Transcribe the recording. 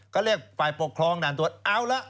ก็เรียกฝ่ายปกครองด่านตรวจเอาละ